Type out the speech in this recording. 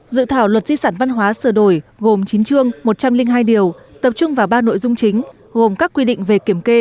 dự thảo luật di sản văn hóa sửa đổi gồm chín chương một trăm linh hai điều tập trung vào ba nội dung chính gồm các quy định về kiểm kê